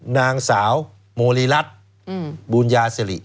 นางสาวโมรีรัฐบุญญาสิริ